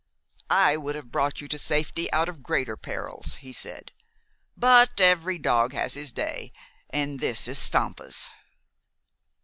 "I would have brought you safely out of greater perils," he said; "but every dog has his day, and this is Stampa's."